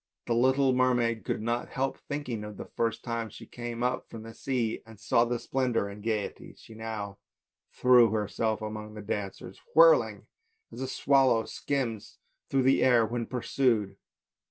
The little mermaid could not help thinking of the first time she came up from the sea and saw the same splendour and gaiety; and she now threw herself among the dancers, whirling, as a swallow skims through the air when pursued.